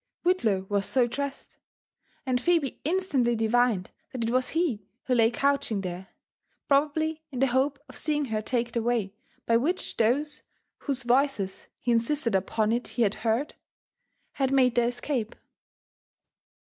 Whitlaw was so dressed, and Phebe instantly divined that it was he who lay couching there, probably in the hope of seeing her take the way by which those whose voices he insisted upon it he had heard, had made their escape.